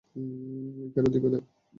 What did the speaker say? কেন দিবে না?